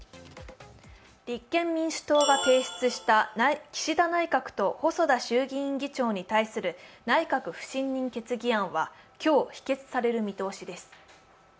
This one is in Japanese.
立憲民主党が提出した岸田内閣と細田議長に対する内閣不信任決議案は今日、否決される見通しです。